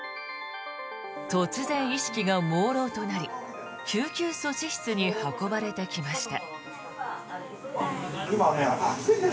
突然、意識がもうろうとなり救急措置室に運ばれてきました。